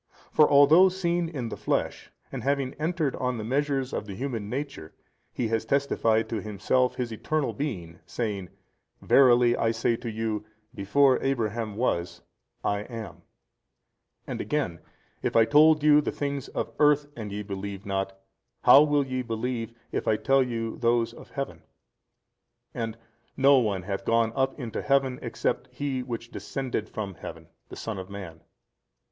For although seen in the flesh and having entered on the measures of the human nature, He has testified to Himself His Eternal Being saying, Verily I say to you, Before Abraham was I am, and again, If I told you the things of earth and ye believe not, how will ye believe if I tell you those of Heaven? and no one hath gone up into Heaven except He which descended from heaven, the Son of man.